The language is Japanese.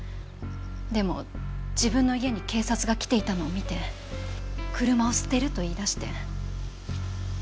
でも自分の家に警察が来ていたのを見て「車を捨てる」と言い出して。